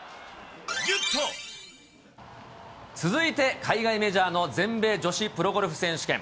続いて海外メジャーの全米女子プロゴルフ選手権。